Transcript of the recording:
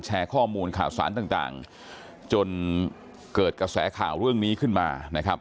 แชร์ข้อมูลข่าวสารต่างจนเกิดกระแสข่าวเรื่องนี้ขึ้นมานะครับ